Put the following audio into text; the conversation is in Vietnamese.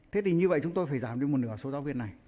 thế thì như vậy chúng tôi phải giảm được một nửa số giáo viên này